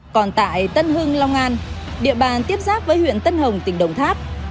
còn tại tân hưng long an địa bàn tiếp giáp với huyện tân hồng tỉnh đồng tháp